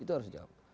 itu harus dijawab